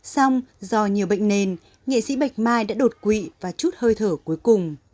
xong do nhiều bệnh nền nghệ sĩ bạch mai đã đột quỵ và chút hơi thở cuối cùng